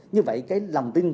như vậy cái lòng tin